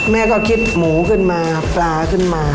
แม่ก็คิดหมูขึ้นมาปลาขึ้นมา